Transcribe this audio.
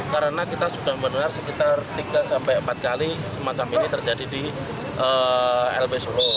karena kita sudah menerobos sekitar tiga empat kali semacam ini terjadi di lp solo